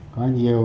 của các đại biểu